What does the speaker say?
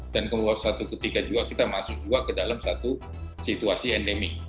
dan kemudian satu ketika juga kita masuk ke dalam satu situasi endemi